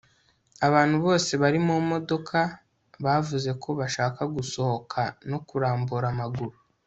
abantu bose bari mu modoka bavuze ko bashaka gusohoka no kurambura amaguru